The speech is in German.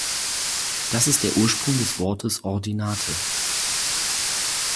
Das ist der Ursprung des Wortes "Ordinate".